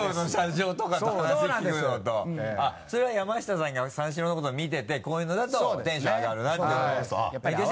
それは山下さんが三四郎の事見ててこういうのだとテンション上がるなって。